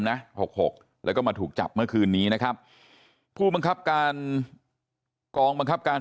หกหกแล้วก็มาถูกจับเมื่อคืนนี้นะครับผู้บังคับการกองบังคับการ